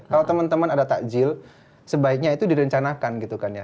kalau temen temen ada ta jil sebaiknya itu direncanakan gitu kan ya